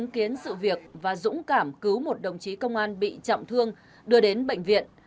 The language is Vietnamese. khiến sự việc và dũng cảm cứu một đồng chí công an bị trọng thương đưa đến bệnh viện